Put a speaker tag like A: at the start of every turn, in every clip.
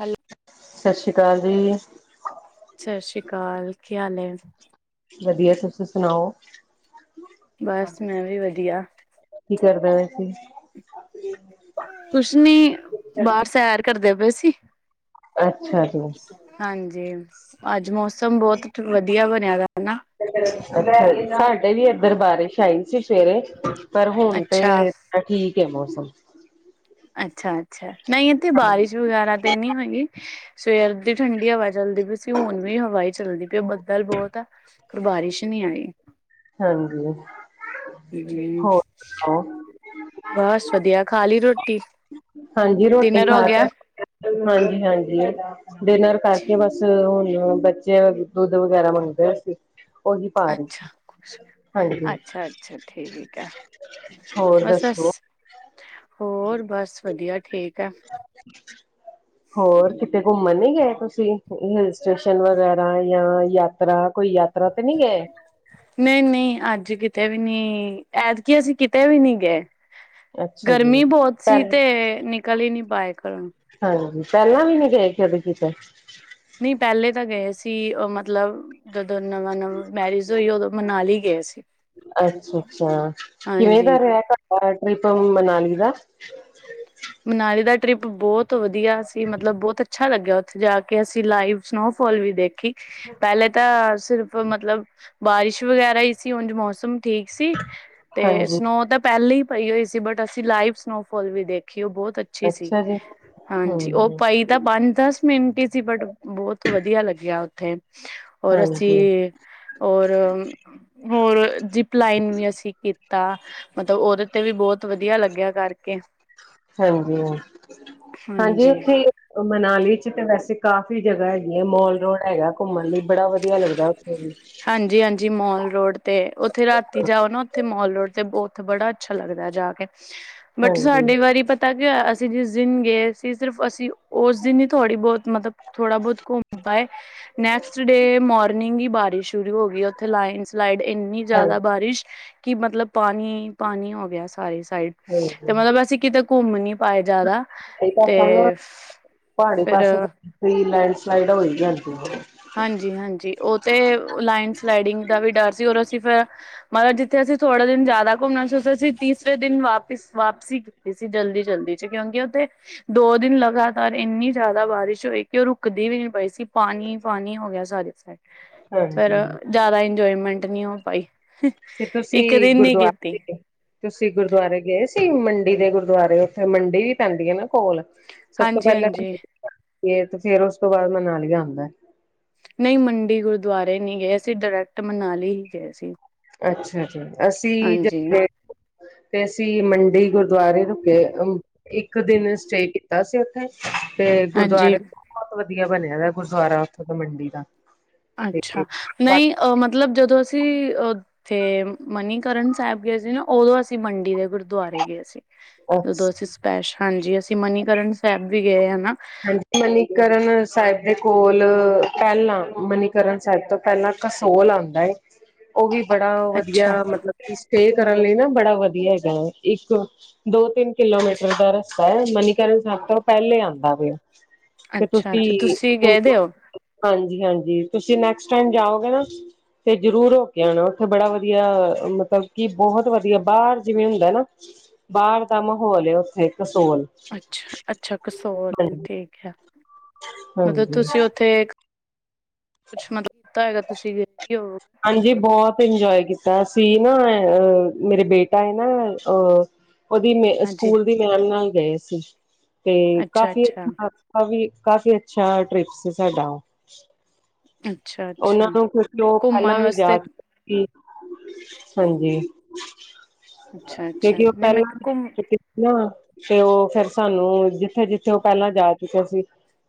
A: Hello,
B: ਸਤਿ ਸ਼੍ਰੀ ਅਕਾਲ ਜੀ।
A: ਸਤਿ ਸ੍ਰੀ ਅਕਾਲ ਕੀ ਹਾਲ?
B: ਵਧੀਆ ਤੁਸੀ ਸੁਣਾਓ?
A: ਬਸ ਮੈਂ ਵੀ ਵਧੀਆ।
B: ਕੀ ਕਰਦਾ ਵੈਸੇ।
A: ਕੁਛ ਨੀ ਬਾਹਰ ਸੈਰ ਕਰਦੇ ਪਏ ਸੀ।
B: ਅੱਛਾ ਜੀ,
A: ਹਾਂਜੀ, ਅੱਜ ਮੌਸਮ ਬਹੁਤ ਵਧੀਆ ਬਣਿਆ ਦਾ ਹਨਾ।
B: ਅੱਛਾ ਜੀ ਸਾਡੇ ਵੀ ਇਧਰ ਬਾਰਿਸ਼ ਆਈ ਸੀ ਸਵੇਰੇ ਪਰ ਹੁਣ
A: ਅੱਛਾ
B: ਤੇ ਠੀਕ ਐ ਮੌਸਮ
A: ਅੱਛਾ-ਅੱਛਾ, ਨਹੀਂ ਇੱਥੇ ਬਾਰਿਸ਼ ਵਗੈਰਾ ਤਾਂ ਨਹੀਂ ਹੋਈ। ਸਵੇਰ ਦੀ ਠੰਡੀ ਹਵਾ ਚੱਲਦੀ ਪਈ ਸੀ ਹੁਣ ਵੀ ਹਵਾ ਹੀ ਚੱਲਦੀ ਪਈ ਬੱਦਲ ਬਹੁਤ ਆ। ਖਬਾਰਿਸ਼ ਨੀ ਆਈ।
B: ਹਾਂਜੀ,
A: ਹੂੰ,
B: ਹੋਰ ਸੁਣਾਓ?
A: ਬਸ ਵਧੀਆ ਖਾ ਲਈ ਰੋਟੀ।
B: ਹਾਂਜੀ, ਰੋਟੀ
A: ਡਿਨਰ ਹੋ
B: ਖਾ ਕੇ
A: ਗਿਆ
B: ਹਾਂਜੀ-ਹਾਂਜੀ, ਡਿਨਰ ਕਰਕੇ ਬਸ ਹੁਣ ਬੱਚੇ ਦੁੱਧ ਵਗੈਰਾ ਮੰਗਦੇ ਸੀ। ਉਹੀ ਭਰ
A: ਅੱਛਾ
B: ਹਾਂਜੀ।
A: ਅੱਛਾ ਅੱਛਾ ਠੀਕ ਹੈ
B: ਹੋਰ
A: ਬਸ
B: ਦੱਸੋ?
A: ਹੋਰ ਬਸ ਵਧੀਆ ਠੀਕ ਆ।
B: ਹੋਰ ਕਿਤੇ ਘੁੰਮਣ ਨੀ ਗਏ ਤੁਸੀਂ ਹਿਲ ਸਟੇਸ਼ਨ ਵਗੈਰਾ ਜਾਂ ਯਾਤਰਾ ਕੋਈ ਯਾਤਰਾ ਤੇ ਨੀ ਗਏ।
A: ਨਹੀ-ਨਹੀਂ, ਅੱਜ ਕਿਤੇ ਵੀ ਨਹੀਂ ਐਤਕੀ ਅਸੀਂ ਕਿਤੇ ਵੀ ਨੀ ਗਏ।
B: ਅੱਛਾ
A: ਗਰਮੀ
B: ਜੀ
A: ਬਹੁਤ ਸੀ
B: ਪਹਿਲ
A: ਤੇ ਨਿਕਲ ਈ ਨੀ ਪਾਏ ਘਰੋਂ।
B: ਹਾਂਜੀ, ਪਹਿਲਾਂ ਵੀ ਨੀ ਗਏ ਕਦੇ ਕਿਤੇ
A: ਨਹੀਂ, ਪਹਿਲੇ ਤਾਂ ਗਏ ਸੀ ਮਤਲਬ। ਜਦੋਂ ਨਵਾਂ ਨਵਾਂ ਮੈਰਿਜ ਹੋਈ ਉਦੋਂ ਮਨਾਲੀ ਗਏ ਸੀ।
B: ਅੱਛਾ-ਅੱਛਾ, ਕਿਵੇਂ ਦਾ
A: ਹਾਂਜੀ
B: ਰਿਹਾ ਤੁਹਾਡਾ ਟ੍ਰਿਪ ਮਨਾਲੀ ਦਾ
A: ਮਨਾਲੀ ਦਾ ਟ੍ਰਿਪ ਬਹੁਤ ਵਧੀਆ ਸੀ ਮਤਲਬ ਬਹੁਤ ਅੱਛਾ ਲੱਗਿਆ ਉੱਥੇ ਜਾ ਕੇ ਅਸੀਂ ਲਾਈਵ। ਸਨੋਫਾਲ ਵੀ ਦੇਖੀ। ਪਹਿਲੇ ਤਾਂ ਸਿਰਫ ਮਤਲਬ ਬਾਰਿਸ਼ ਵਗੈਰਾ ਹੀ ਸੀ ਉਝ ਮੌਸਮ ਠੀਕ ਸੀ। ਤੇ
B: ਹਾਂਜੀ
A: ਸਨੋ ਤਾਂ ਪਹਿਲਾ ਹੀ ਪਈ ਹੋਈ ਸੀ ਬਟ ਅਸੀਂ ਲਾਈਵ ਸਨੋਫੋਲ ਵੀ ਦੇ ਬੌਤ ਅੱਛੀ ਸੀ।
B: ਅੱਛਾ ਜੀ
A: ਹਾਂਜੀ, ਓਹ
B: ਹਮ
A: ਪਾਈ ਪੰਜ ਦਸ ਮਿੰਟ ਹੀ ਸੀ ਬਟ ਬੌਤ ਵਧੀਆ ਲੱਗਿਆ ਓਥੇ, ਔਰ
B: ਹਾਂਜੀ
A: ਅਸੀਂ ਔਰ ਹੋਰ ਜਿਪਲਾਈਨ ਵੀ ਅਸੀਂ ਕੀਤਾ। ਮਤਲਬ ਓਦੇ ਤੇ ਵੀ ਬੌਤ ਵਧੀਆ ਲੱਗਿਆ ਕਰਕੇ।
B: ਹਾਂਜੀ ਹਾਂ, ਹਾਂਜੀ ਉੱਥੇ ਮਨਾਲੀ ਚ ਤੇ ਵੈਸੇ ਕਾਫ਼ੀ ਜਗ੍ਹਾ ਹੈਗੀ ਐ ਮੋਲ ਰੋਡ ਹੈਗਾ ਘੁੰਮਣ ਲਈ ਬੜਾ ਵਧੀਆ ਲੱਗਦਾ ਓਥੇ ਵੀ।
A: ਹਾਂਜੀ-ਹਾਂਜੀ, ਮੋਲ ਰੋਡ ਤੇ ਓਥੇ ਰਾਤੀ ਜਾਓ ਨਾ ਓਥੇ ਮੋਲ ਰੋਡ ਤੇ ਬ ਓਥੇ ਬੜਾ ਅੱਛਾ ਲੱਗਦਾ ਜਾ ਕੇ। ਬਟ
B: ਹਾਂਜੀ
A: ਸਾਡੀ ਵਾਰੀ ਪਤਾ ਕੀ ਹੋਇਆ, ਅਸੀਂ ਜਿਸ ਦਿਨ ਗਏ ਸੀ ਸਿਰਫ ਅਸ ਓਸ ਦਿਨ ਹੀ ਥੋੜ੍ਹੀ ਬੌਤ ਮਤਲਬ ਥੋੜਾ ਬੌਤ ਘੁੰਮ ਪਾਏ। ਨੈਕਸਟ ਡੇਅ ਮੋਰਨਿੰਗ ਹੀ ਬਾਰਿਸ਼। ਸ਼ੂਰੂ ਹੋ ਗੀ ਔਥੇ ਲਾਈਨ ਸਲਾਈਡ ਏਨੀ
B: ਹਾਂ
A: ਜੈਦਾ ਬਾਰਿਸ਼। ਕਿ ਮਤਲਬ ਪਾਣੀ ਪਾਣੀ ਹੋ ਗਿਆ ਸਾਰੇ ਸਾਈਡ ਤੇ
B: ਹਾਂਜੀ
A: ਮਤਲਬ ਅਸੀਂ ਕਿਤੇ ਘੁੰਮ ਨੀ ਪਾਏ ਜ਼ਿਆਦਾ
B: ਕਈ
A: ਤੇ
B: ਪਾਸਾ ਨਾ ਪਹਾੜੀ
A: ਫਿਰ
B: ਪਾਸੇ ਤਾਂ ਲੈਂਡਸਲਾਈਡ ਹੋਈ ਜਾਂਦੀ
A: ਹਾਂਜੀ ਹਾਂਜੀ ਉਹ ਤੇ ਲਾਈਡ ਸਲਾਈਡਿੰਗ ਦਾ ਵੀ ਡਰ ਸੀ ਔਰ ਅਸੀਂ ਫਿਰ ਮਗਰ ਜਿੱਥੇ ਅਸੀਂ ਥੋੜੇ ਦਿਨ ਜ਼ਿਆਦਾ ਘੁੰਮਣਾ ਸੀ ਉੱਥੇ ਅਸੀਂ ਤੀਸਰੇ ਦਿਨ ਵਾਪਿਸ ਵਾਪਸੀ ਸੀ ਜਲਦੀ ਜਲਦੀ ਚ ਕਿਉਂਕਿ ਉਹਥੇ ਦੋ ਦਿਨ ਲਗਾਤਾਰ ਏਨੀ ਜੈਦਾ ਬਾਰਿਸ਼ ਹੋਈ ਕਿ ਓਹ ਰੁਕਦੀ ਵੀ ਨਹੀਂ ਪਈ ਸੀ, ਪਾਣੀ ਪਾਣੀ ਹੋ ਗਿਆ ਸਾਰੇ ਸਾਈਡ। ਫੇਰ
B: ਹਾਂਜੀ
A: ਜੈਦਾ ਇੰਜੋਏਮੈਂਟ ਨੀ ਹੋ ਪਾਈ।
B: ਫੇਰ ਤੁਸੀਂ
A: ਇੱਕ ਦਿਨ ਨੀ
B: ਗੁਰਦੁਆਰੇ
A: ਕੀਤੀ
B: ਨੀ ਗੇ। ਤੁਸੀਂ ਗੁਰਦੁਆਰੇ ਗਏ ਸੀ ਮੰਡੀ ਦੇ ਗੁਰਦੁਆਰੇ ਔਥੇ ਮੰਡੀ ਵੀ ਪੈਂਦੀ ਏਨਾ ਕੋਲ। ਸਭ ਤੋਂ ਪਹਿਲਾ
A: ਹਾਂਜੀ-ਹਾਂਜੀ
B: ਤੇ ਫੇਰ ਉਸ ਤੋਂ ਬਾਦ ਮਨਾਲੀ ਆਂਦੈ।
A: ਨਹੀਂ ਮੰਡੀ ਗੁਰਦੁਆਰੇ ਨੀ ਗਏ ਅਸੀ ਡਰੈਕਟ ਮਨਾਲੀ ਹੀ ਗਏ ਸੀ।
B: ਅੱਛਾ ਅੱਛਾ ਅਸੀਂ ਜੇ ਗਏ
A: ਹਾਂਜੀ-ਹਾਂਜੀ
B: ਤੇ ਅਸੀਂ ਮੰਡੀ ਗੁਰ ਗੁਰਦੁਆਰੇ ਰੁਕੇ ਅਮ ਇੱਕ ਦਿਨ ਸਟੇ ਕੀਤਾ ਸੀ ਓਥੇ ਤੇ ਗੁਰਦੁਆਰੇ ਬੌਤ ਵਧੀਆ ਬਣਿਆ ਦਾਏ ਗੁਰਦਆਰਾ ਓਥੇ ਦਾ ਮੰਡੀ ਦਾ। ਤੇ
A: ਅੱਛਾ ਨਹੀਂ ਅ ਮਤਲਬ ਜਦੋਂ ਅਸੀਂ ਅ ਤੇ ਮਨੀਕਰਨ ਸੈਬ ਗਏ ਸੀ ਨਾ ਔਦੋਂ ਅਸੀਂ ਮੰਡੀ ਦੇ ਗੁਰਦੁਆਰੇ ਗਏ ਸੀ। ਜਦੋਂ ਅਸੀਂ ਸਪੈਸ਼ ਹਾਂਜੀ ਅਸੀਂ ਮਨੀਕਰਨ ਸੈਬ ਵੀ ਗਏ ਆ ਨਾ।
B: ਮਨੀਕਰਨ ਸਾਹਿਬ ਦੇ ਕੋਲ ਪੈਲਾਂ ਮਨੀਕਰਨ ਸਾਹਿਬ ਤੋਂ ਪੈਲਾਂ ਕਸੋਲ ਆਉਂਦਾ ਏ ਔ ਵੀ ਬੜਾ ਵਧੀਆ
A: ਅੱਛਾ,
B: ਮਤਲਬ ਕੀ ਸਟੇ ਕਰਨ ਲਈ ਨਾ ਬੜਾ ਵਧੀਆ ਹੈਗਾ ਔ, ਇੱਕ ਦੋ ਤਿੰਨ
A: ਅੱਛਾ,
B: ਕਿਲੋਮੀਟਰ ਦਾ ਰਸਤਾ ਏ, ਮਨੀਕਰਨ ਸਾਹਿਬ ਤੋਂ ਪੈਲੇ ਆਉਂਦਾ ਵੇ। ਤੇ
A: ਅੱਛਾ, ਅੱਛਾ
B: ਤੁਸੀਂ
A: ਗਏ ਦੇ ਹੋ
B: ਹਾਂਜੀ ਹਾਂਜੀ ਤੁਸੀਂ ਨੈਕਸਟ ਟੈਮ ਜਾਓਗੇ ਨਾ ਤੇ ਜਰੂਰ ਹੋ ਕੇ ਆਣਾ, ਔਥੇ ਬੜਾ ਵਧੀਆ ਮਤਲਬ ਕਿ ਬਹੁਤ ਵਧੀਆ ਬਾਰ ਜਿਵੇਂ ਹੁੰਦਾ ਨਾ ਬਾਰ ਦਾ ਮਾਹੌਲ ਏ ਔਥੇ ਕਸੋਲ।
A: ਛਾ ਅੱਛਾ ਕਸੋਲ
B: ਹਾਂਜੀ
A: ਠੀਕ ਹੈ, ਮਤਲਬ
B: ਹਾਂਜੀ
A: ਤੁਸੀਂ ਔਥੇ ਕੁਛ ਮਤਲਬ ਕੀਤਾ ਹੈਗਾ ਤੁਸੀਂ ਵੀ ਹੋ
B: ਹਾਂਜੀ, ਬੌਤ ਇੰਜੋਏ ਕੀਤਾ ਅਸੀ ਨਾ ਅ ਮੇਰੇ ਬੇਟਾ ਏ ਨਾ ਅਹ ਔਦੀ ਮੇ
A: ਹਾਂਜੀ
B: ਸਕੂਲ ਦੀ ਮੈਮ ਨਾਲ ਗਏ ਸੀ। ਤੇ ਕਾਫ਼ੀ ਅੱਛਾ ਕਾਫੀ ਕਾਫੀ ਅੱਛਾ ਟ੍ਰਿਪ ਸੀ ਸਾਡਾ ਓਹ।
A: ਅੱਛਾ।
B: ਔਨਾਂ
A: ਅੱਛਾ
B: ਨੂੰ ਕਿਉਕਿ ਓਹ ਪੈਲਾਂ
A: ਘੁੰਮਣ
B: ਵੀ ਯਾ
A: ਵਾਸਤੇ
B: ਕਿ ਹਾਂਜੀ।
A: ਅੱਛਾ, ਅੱਛਾ
B: ਕਿਉਂਕਿ ਔ
A: ਨਹੀਂ ਮੈਂ
B: ਪੈਲਾਂ ਵੀ
A: ਘੁੰਮ
B: ਕੀਤੇ ਨਾ ਫੇ ਓਹ ਫੇਰ ਸਾਨੂੰ ਜਿੱਥੇ ਜਿੱਥੇ ਔ ਪੈਲਾਂ ਜਾ ਚੁੱਕੇ ਸੀ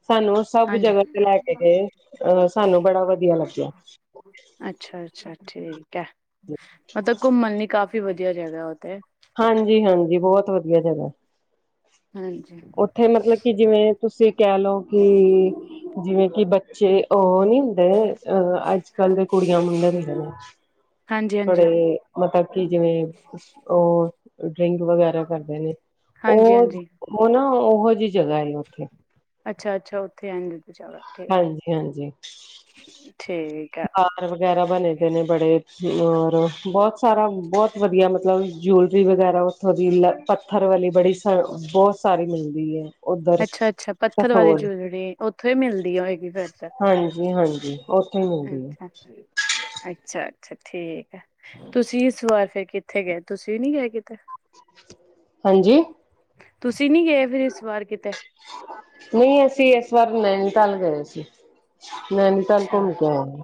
B: ਸਾਨੂੰ ਓਸ ਸਭ
A: ਹਾਂਜੀ
B: ਜਗ੍ਹਾ ਤੇ ਲੈ ਕੇ ਗਏ, ਅਹ ਸਾਨੂੰ ਬੜਾ ਵਧ
A: ਅੱਛਾ ਅੱਛਾ, ਠੀਕ ਹੈ। ਮਤਲਬ ਘੁੰਮਣ ਲਈ ਕਾਫੀ ਵਧ ਐ ਜਗਾ ਔਤੇ।
B: ਹਾਂਜੀ ਹਾਂਜੀ ਬਹੁਤ ਵਧੀਆ ਜਗ੍ਹਾ।
A: ਹਾਂਜੀ।
B: ਉੱਥੇ ਮਤਲਬ ਕਿ ਜਿਵੇਂ ਤੁਸੀਂ ਕਹਿ ਲਓ ਕਿ। ਜਿਵੇਂ ਕਿ ਬੱਚੇ ਉਹ ਨੀ ਹੁੰਦੇ ਅਹ ਅੱਜ ਕੱਲ ਦੇ ਕੁੜੀਆਂ ਮੁੰਡੇ ਦੇ ਨੇ।
A: ਹਾਂਜੀ ਹਾਂਜੀ
B: ਥੋੜੇ ਮਤਲਬ ਕਿ ਜਿਵੇਂ ਉਹ। ਡਰਿੰਕ ਵਗੈਰਾ ਕਰਦੇ ਨੇ
A: ਹਾਂਜੀ
B: ਉਹ
A: ਹਾਂਜੀ
B: ਉਹ ਨਾ ਉਹੋ ਜਿਹੀ ਜਗ੍ਹਾ ਹੈ ਉੱਥੇ।
A: ਅੱਛਾ ਅੱਛਾ ਉੱਥੇ ਆ
B: ਹਾਂਜੀ ਹਾਂਜੀ
A: ਠੀਕ ਆ।
B: ਬਾਰ ਵਗੈਰਾ ਬਣੇ ਦੇ ਨੇ ਬੜੇ ਔਰ ਬਹੁਤ ਸਾਰਾ ਬਹੁਤ ਵਧੀਆ ਮਤਲਬ ਜੂਲਰੀ ਵਗੈਰਾ। ਉੱਥੋਂ ਦੀ ਪੱਥਰ ਵਾਲੀ ਬੜੀ ਸ ਬਹੁਤ ਸਾਰੀ ਮਿਲਦੀ ਹੈ। ਉੱਧਰ
A: ਅੱਛਾ ਅੱਛਾ ਪੱਥਰ ਵਾਲੇ
B: ਕਸੋਲ
A: ਜੁਅਲਰੀ। ਉੱਥੇ, ਮਿਲਦੀ ਹੋਏਗੀ। [unintelligible] ਫੇਰ ਤੇ,
B: ਹਾਂਜੀ ਹਾਂਜੀ ਉੱਥੇ ਹੀ ਮਿਲਦੀ ਹੈ
A: ਅੱਛਾ। ਅੱਛਾ- ਅੱਛਾ, ਠੀਕ ਹੈ। ਤੁਸੀਂ, ਇਸ ਵਾਰ ਫੇਰ, ਕਿੱਥੇ ਗਏ? ਤੁਸੀਂ ਨੀ, ਗਏ ਕਿਤੇ?
B: ਹਾਂਜੀ।
A: ਤੁਸੀਂ ਨੀ ਗਏ, ਫੇਰ ਇਸ ਵਾਰ ਕੀ
B: ਨਹੀਂ, ਅਸੀਂ ਏਸ ਵਾਰ, ਨੈਨੀਤਲ ਗਏ ਸੀ। ਨੈਨੀਤਾਲ,
A: ਅੱਛਾ
B: ਘੁੰਮ ਕੇ ਆਏ ਆ।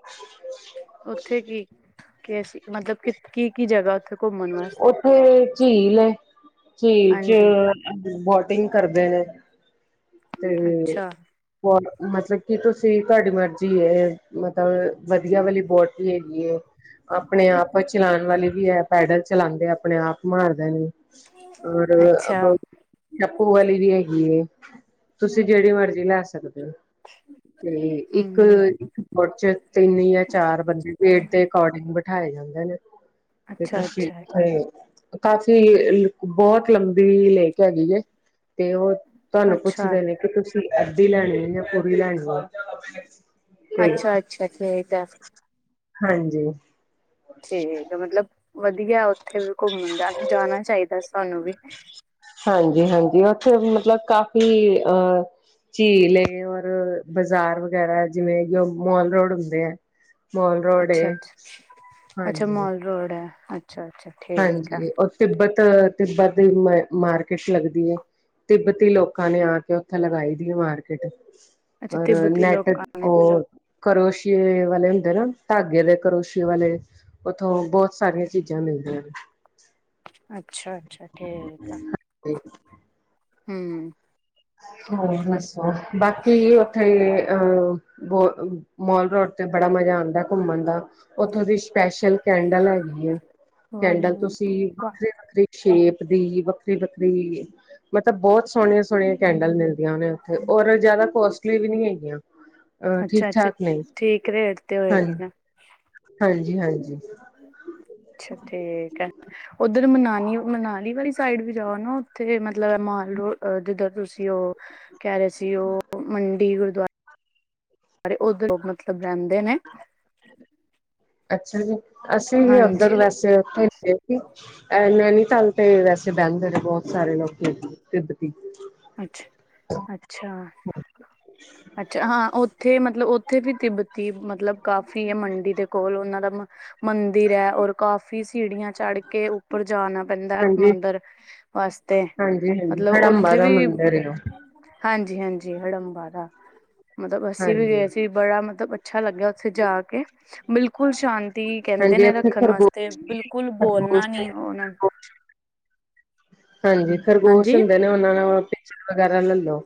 A: ਉੱਥੇ ਕੀ, ਕੀ ਆਏ ਸੀਂ ਮਤਲਬ ਕਿ। ਕੀ- ਕੀ, ਜਗਾ ਉੱਥੇ ਘੁੰਮਣ। ਵਾਸਤੇ
B: ਉੱਥੇ, ਝੀਲ ਏ। ਝੀਲ ਚ
A: ਹਾਂਜੀ
B: ਬੋਟਿੰਗ ਕਰਦੇ ਨੇ।
A: ਅੱਛਾ।
B: ਬ ਮਤਲਬ ਕੀ ਤੁਸੀਂ, ਤੁਹਾਡੀ ਮਰਜੀ ਏ, ਮਤਲਬ ਵਧੀਆ ਵਾਲੀ, ਬੋਟ ਵੀ ਹੈਗੀ ਹੈ। ਆਪਣੇ ਆਪ, ਚਲਾਉਣ ਵਾਲੀ ਵੀ ਹੈ। ਪੈਡਲ ਚਲਾਉਂਦੇ, ਆਪਣੇ ਆਪ ਮਾਰਦੇ ਨੇ।
A: ਅੱਛਾ
B: ਔਰ, ਚਪੂ ਵਾਲੀ, ਵੀ ਹੈਗੀ ਏ। ਤੁਸੀਂ, ਜਿਹੜੀ ਮਰਜ਼ੀ, ਲੈ ਸਕਦੇ ਹੋ। ਤੇ ਇੱਕ।
A: ਹਮ
B: ਉਚ, ਤਿੰਨ ਜਾਂ ਚਾਰ ਬੰਦੇ, ਵੇਟ ਦੇ ਅਕੋਰਡਿੰਗ, ਬਿਠਾਏ ਜਾਂਦੇ ਨੇ। ਤੇ ਤਾਂ
A: ਅੱਛਾ
B: ਸ਼
A: ਅੱਛਾ
B: [unintelligible] ਕਾਫ਼ੀ, ਬਹੁਤ ਲੰਬੀ, ਲੇਕ ਹੈਗੀ ਹੈ। ਤੇ, ਉਹ ਤੁਹਾਨੂੰ ਪੁਛ।
A: ਅੱਛਾ
B: ਕਿ ਤੁਸੀਂ, ਅੱਧੀ ਲੈਣੀ ਆ ਯਾ ਪੂਰੀ ਲੈਣੀ ਆ।
A: ਅੱਛਾ- ਅੱਛਾ, ਠੀਕ‌ ਹੈ ‌।
B: ਹਾਂਜੀ।
A: ਠੀਕ ਆ। ਮਤਲਬ ਵਧੀਆ, ਉੱਥੇ ਵੀ ਘੁੰਮਣ, ਜਾ ਜਾਣਾ ਚਾਹੀਦਾ ਸਾਨੂੰ ਵੀ।
B: ਹਾਂਜੀ- ਹਾਂਜੀ, ਉੱਥੇ ਮਤਲਬ, ਕਾਫ਼ੀ ਅਹ। ਝੀਲ ਏ। ਔਰ, ਬਾਜ਼ਾਰ ਵਗੈਰਾ, ਜਿਵੇਂ ਜੋ ਮੋਲ ਰੋਡ ਹੁੰਦੇ ਏ। ਮੋਲ ਰੋਡ
A: ਅੱਛਾ- ਅੱਛ, ਅੱਛਾ।
B: ਹਾਂਜੀ
A: ਮੋਲ ਰੋਡ ਹੈ। ਅੱਛਾ- ਅੱਛਾ।
B: ਹਾਂਜੀ। ਔਰ, ਤਿੱਬਤ, ਤਿੱਬਤ ਦੀ ਮ ਮਾਰਕੀਟ ਲੱਗਦੀ ਹੈ। ਤਿੱਬਤੀ ਲੋਕਾਂ, ਨੇ ਆ ਕੇ, ਉੱਥੇ ਲਗਾਈ ਦੀ‌ ਏ ਮਾਰਕੀਟ।
A: ਅੱਛਾ
B: ਔਰ
A: ਤਿੱਬਤੀ
B: ਨੈਟ
A: ਲੋਕਾਂ ਨੇ
B: ਕੋ- ਕਰੋਸ਼ੀਏ, ਵਾਲੇ ਹੁੰਦੇ ਨਾ, ਧਾਗੇ ਦੇ ਕਰੋਸ਼ੀਏ ਵਾਲੇ। ਉੱਥੋਂ, ਬਹੁਤ ਸਾਰੀਆਂ, ਚੀਜ਼ਾਂ ਮਿਲਦੀਆਂ ਨੇ।
A: ਅੱਛਾ- ਅੱਛਾ, ਠੀਕ ਆ।
B: ਠ [unintelligible]
A: ਹੂੰ।
B: ਹੋਰ ਦੱਸੋ? ਬਾਕੀ ਉੱਥੇ ਅਹ। ਬ ਮੋਲ ਰੋਡ ਤੇ, ਬੜਾ ਮਜ਼ਾ ਆਉਂਦਾ। ਘੁੰਮਣ ਦਾ। ਉੱਥੋਂ ਦੀ, ਸਪੈਸ਼ਲ ਕੈਂਡਲ, ਹੈਗੀ ਏ। ਕੈਂਡਲ ਤੁਸੀਂ। ਵੱਖਰੀ- ਵੱਖਰੀ, ਸ਼ੇਪ ਦੀ। ਵੱਖਰੀ- ਵੱਖਰੀ, ਮਤਲਬ ਬਹੁਤ ਸੋਹਣੇ- ਸੋਹਣੇ। ਕੈਂਡਲ, ਮਿਲਦੀਆਂ ਨੇ ਉੱਥੇ। ਔਰ ਜ਼ਿਆਦਾ ਕੋਸਟਲੀ ਵੀ, ਨੀ ਹੈਗੀਆਂ। ਅ ਠੀਕ-
A: ਅੱਛਾ-ਅੱਛਾ
B: ਠਾਕ, ਨੇ
A: ਠੀਕ ਰੇਟ ਤੇ
B: ਹਾਂਜ,
A: ਹੋਏਗੀ ਨਾ
B: ਹਾਂਜੀ- ਹਾਂਜੀ।
A: ਅੱਛਾ, ਠੀਕ ਹੈ। ਉਧਰ ਮਨਾਨੀ, ਮਨਾਲੀ ਵਾਲੀ ਸਾਈਡ ਵੀ, ਜਾਓ ਨਾ ਉੱਥੇ ਮਤਲਬ, ਮਾਲ ਰੋ ਜਿੱਦਰ ਤੁਸੀਂ ਉਹ। ਕਹਿ ਰਹੇ ਸੀ। ਉਹ ਮੰਡੀ ਗੁਰਦੁਆ- ਸਾਰੇ ਉ ਮਤਲਬ ਰਹਿੰਦੇ ਨੇ
B: ਅੱਛਾ ਜੀ ਅਸੀਂ ਹੀ ਉੱਧਰ
A: ਹਾਂਜੀ।
B: ਵੈਸੇ ਉਥੇ ਏ ਨੈਨੀਤਾਲ ਤੇ ਵੈਸੇ, ਬਹਿੰਦੇ ਨੇ ਬਹੁਤ ਸਾਰੇ ਲੋਕ, ਤਿੱਬਤੀ।
A: ਅੱਛਾ, ਅੱਛਾ! ਅੱਛਾ। ਹਾਂ ਉੱਥੇ, ਮਤਲਬ ਉੱਥੇ ਵੀ ਤਿੱਬਤੀ, ਮਤਲਬ ਕਾਫ਼ੀ ਹੈ। ਮੰਡੀ ਦੇ ਕੋਲ ਉਹਨਾਂ ਦਾ। ਮੰਦਿਰ ਹੈ। ਔਰ, ਕਾਫੀ ਸੀਿੜੀਆਂ। ਚੜ ਕੇ, ਉੱਪਰ ਜਾਣਾ ਪੈਂਦਾ ਹੈ।
B: ਹਾਂਜੀ
A: ਮੰਦਿਰ ਵਾਸਤੇ,
B: ਹਾਂਜੀ ਹਾਂਜੀ
A: ਮਤਲਬ ਉ-
B: ਹੜੰਬਾ
A: ਉੱਥੇ
B: ਦਾ
A: ਵੀ,
B: ਮੰਦਿਰ ਹੈ ਉਹ
A: ਹਾਂਜੀ- ਹਾਂਜੀ, ਹੜੰਬਾ ਦਾ, ਮਤਲਬ ਅੱਸੀਂ ਵੀ
B: ਹਾਂਜੀ
A: ਗਏ ਸੀ। ਬੜਾ ਮਤਲਬ ਅੱਛਾ, ਲੱਗਿਆ ਉੱਥੇ ਜਾ ਕੇ। ਬਿਲਕੁਲ ਸ਼ਾਂ- ਤੀ ਕਹਿੰਦੇ
B: ਹਾਂਜੀ
A: ਨੇ
B: ਉੱਥੇ
A: ਰੱਖਣ
B: ਖਰਗੋ
A: ਵਾਸਤੇ। ਬਿਲਕੁਲ ਬੋਲਣਾ
B: ਖਰਗੋਸ਼
A: ਨੀ। ਉਹਨਾਂ।
B: ਹਾਂਜੀ ਖਰਗੋਸ਼
A: ਹਾਂਜੀ
B: ਹੁੰਦੇ ਨੇ ਉਹਨਾਂ ਨਾਲ ਪਿਚਰ ਵਗੈਰਾ ਲੈ ਲੋ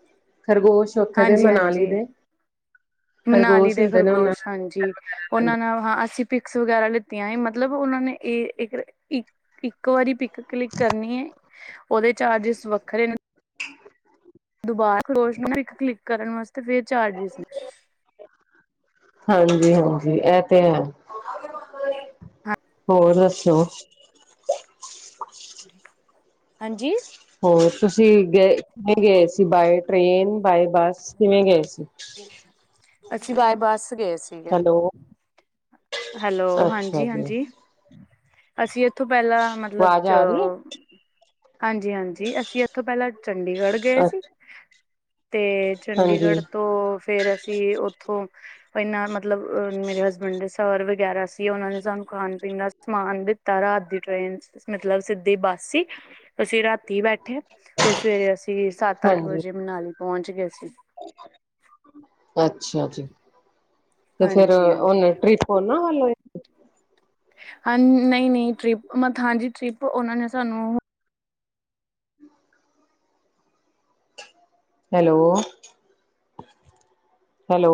B: ਖਰਗੋਸ਼। ਉਥੇ ਦੇ
A: ਹਾਂਜੀ
B: ਮਨਾਲੀ
A: ਹਾਂਜੀ
B: ਦੇ
A: ਮਨਾਲੀ
B: ਖਰਗੋਸ਼
A: ਦੇ
B: ਹੁੰਦੇ ਨੇ ਉਹਨਾਂ।
A: ਖਰਗੋਸ਼ ਹਾਂਜੀ ਉਹਨਾਂ ਨਾਲ ਹਾਂ ਅਸੀਂ ਪਿਕਸ ਵਗੈਰਾ ਲਿਤੀਆਂ ਮਤਲਬ ਉਹਨਾਂ ਨੇ ਇਹ ਇੱਕ। ਇੱਕ ਵਾਰੀ ਪਿਕ ਕਲਿੱਕ ਕਰਨੀ ਹੈ ਉਹਦੇ ਚਾਰਜਿਸ ਵੱਖਰੇ ਨੇ। ਦੁਬਾਰਾ ਖਰਗੋਸ਼ ਨੂੰ ਇੱਕ ਕਲਿੱਕ ਕਰਨ ਵਾਸਤੇ ਫਿਰ ਚਾਰਜਿਸ ਨੇ।
B: ਹਾਂਜੀ ਹਾਂਜੀ ਇਹ ਤੇ ਹੈ ਹੋਰ ਦੱਸੋ
A: ਹਾਂਜੀ
B: ਹੋਰ ਤੁਸੀਂ ਗਏ ਕਿਵੇਂ ਗਏ ਸੀ ਬਾਏ ਟ੍ਰੇਨ ਬਾਏ ਬੱਸ ਕਿਵੇਂ ਗਏ ਸੀ
A: ਅੱਛੀ ਬਾਏ ਬੱਸ ਗਏ ਸੀ
B: ਹੈਲੋ
A: ਹੈਲੋ
B: ਅੱਛਾ
A: ਹਾਂਜੀ
B: ਜੀ
A: ਹਾਂਜੀ ਅਸੀਂ ਇਥੋਂ ਪਹਿਲਾਂ ਮਤਲਬ
B: ਆਵਾਜ਼ ਆ ਰਹੀ ਹੈ
A: ਹਾਂਜੀ ਹਾਂਜੀ ਅਸੀਂ ਇੱਥੋਂ ਪਹਿਲਾਂ ਚੰਡੀਗੜ੍ਹ ਗਏ ਸੀ
B: ਅੱਛਾ
A: ਤੇ
B: ਹਾਂਜੀ
A: ਚੰਡੀਗੜ੍ਹ ਤੋਂ ਫਿਰ ਅਸੀਂ ਉੱਥੋਂ ਇਨਾ ਮਤਲਬ ਮੇਰੇ ਹਸਬੈਂਡ ਦੇ ਸਵਰ ਵਗੈਰਾ ਸੀ ਉਹਨਾਂ ਨੇ ਸਾਨੂੰ ਖਾਣ ਪੀਣ ਦਾ ਸਮਾਨ ਦਿੱਤਾ ਰਾਤ ਦੀ ਟ੍ਰੇਨ ਮਤਲਬ ਸਿੱਧੀ ਬੱਸ ਸੀ ਅਸੀਂ ਰਾਤੀ ਬੈਠੇ ਤੇ ਸਵੇਰੇ ਅਸੀਂ ਸੱਤ ਅੱਠ
B: ਹਾਂਜੀ
A: ਵਜੇ ਮਨਾਲੀ ਪਹੁੰਚ ਗਏ ਸੀ
B: ਅੱਛਾ ਜੀ ਤੇ ਫਿਰ
A: ਹਾਂਜੀ ਹਾਂਜੀ
B: ਉਹਨੇ ਟ੍ਰਿਪ ਫੋਨਾਂ ਵੱਲ ਵੇ
A: ਹਾਂ ਨਹੀਂ ਨਹੀਂ ਟ੍ਰਿਪ ਮ ਹਾਂਜੀ ਟ੍ਰਿਪ ਉਹਨਾਂ ਨੇ ਸਾਨੂੰ
B: ਹੈਲੋ ਹੈਲੋ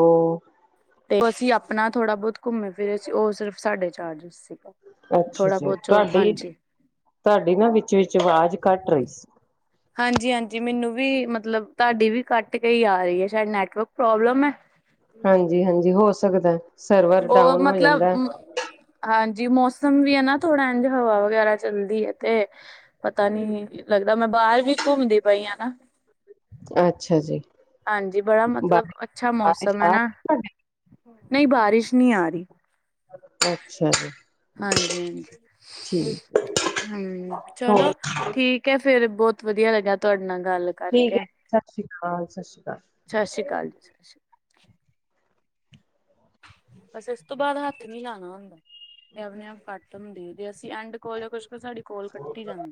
A: ਤੇ ਉਹ ਅਸੀਂ ਆਪਣਾ ਥੋੜਾ ਬਹੁਤ ਘੁੰਮੇ ਫਿਰ ਸੀ ਉਹ ਸਿਰਫ ਸਾਡੇ ਚਾਰਜਿਸ ਸੀ
B: ਅੱਛਾ ਅੱਛਾ ਤੁਹਾਡੀ ਤੁਹਾਡੀ ਨਾ ਵਿੱਚ ਵਿਚ ਆਵਾਜ਼ ਘੱਟ ਰਹੀ ਸੀ
A: ਹਾਂਜੀ ਹਾਂਜੀ ਮੈਨੂੰ ਵੀ ਮਤਲਬ ਤੁਹਾਡੀ ਵੀ ਕੱਟ ਕੇਈ ਆ ਰਹੀ ਹੈ ਸ਼ਾਇਦ ਨੈਟਵਰਕ ਪ੍ਰੋਬਲਮ ਹੈ
B: ਹਾਂਜੀ ਹਾਂਜੀ ਹੋ ਸਕਦਾ ਸਰਵਰ
A: ਉਹ
B: ਡਾਊਨ ਹੋ
A: ਮਤਲਬ
B: ਜਾਂਦਾ
A: ਹਾਂਜੀ ਮੌਸਮ ਵੀ ਹੈ ਨਾ ਥੋੜਾ ਇੰਝ ਹਵਾ ਵਗੈਰਾ ਚੱਲਦੀ ਹੈ ਤੇ ਪਤਾ ਨੀ ਲੱਗਦਾ ਮੈਂ ਬਾਹਰ ਵੀ ਘੁੰਮਦੀ ਪਈ ਹਨਾ
B: ਅੱਛਾ ਜੀ
A: ਹਾਂਜੀ ਬੜਾ ਮਤਲਬ
B: ਬਾਰਿਸ਼
A: ਅੱਛਾ
B: ਬਾਰਿਸ਼
A: ਮੌਸਮ
B: ਆ
A: ਹੈ ਨਾ
B: ਰਹੀ ਤੁਹਾਡੇ
A: ਨਹੀਂ ਬਾਰਿਸ਼ ਨਹੀਂ ਆ ਰਹੀ
B: ਅੱਛਾ ਜੀ
A: ਹਾਂਜੀ
B: ਠੀਕ
A: ਹਾਂਜੀ ਹੂ ਚਲੋ
B: ਹੋਰ
A: ਠੀਕ ਕ ਕਿਹਾ ਫਿਰ ਬਹੁਤ ਵਧੀਆ ਲੱਗਿਆ ਤੁਹਾਡੇ ਨਾਲ ਗੱਲ
B: ਠੀਕ
A: ਕਰਕੇ
B: ਹੈ ਸਤਿ ਸ਼੍ਰੀ ਅਕਾਲ ਸਤਿ ਸ਼੍ਰੀ ਅਕਾਲ
A: ਸਤਿ ਸ਼੍ਰੀ ਅਕਾਲ ਸ਼੍ਰੀ ਬਸ ਇਸ ਤੋਂ ਬਾਅਦ ਹੱਥ ਨੀ ਲਾਉਣਾ ਹੁੰਦਾ ਤੇ ਆਪਣੇ ਆਪ ਕੱਟ ਹੁੰਦੇ ਜ ਅਸੀਂ ਐਂਡ ਕੋਲ ਜਾਂ ਕੁਛ ਕੁ ਸਾਡੀ ਕੋਲ ਕੱਟੀ ਜਾਂਦੀ